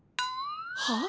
はっ？